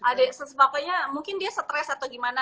ada yang sebabnya mungkin dia stress atau gimana